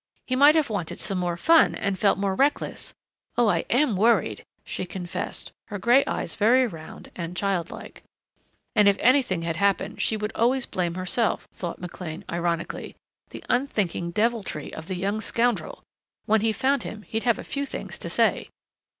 He might have wanted some more fun and felt more reckless Oh, I am worried," she confessed, her gray eyes very round and childlike. And if anything had happened she would always blame herself, thought McLean ironically.... The unthinking deviltry of the young scoundrel!... When he found him he'd have a few things to say!